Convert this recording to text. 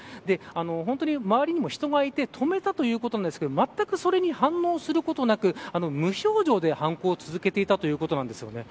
本当に周りにも人がいて止めたということですけれどもまったくそれに反応することなく無表情で犯行を続けていたということなんです。